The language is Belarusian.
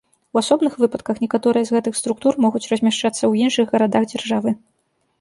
У асобных выпадках некаторыя з гэтых структур могуць размяшчацца ў іншых гарадах дзяржавы.